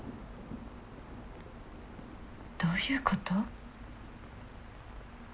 どういうこと？